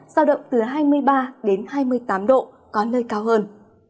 giao động từ hai mươi ba đến hai mươi tám độ có nơi cao hơn